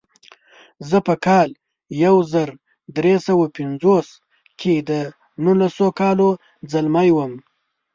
زه په کال یو زر درې سوه پنځوس کې د نولسو کالو ځلمی وم.